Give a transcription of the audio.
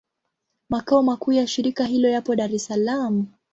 Makao makuu ya shirika hilo yapo Dar es Salaam.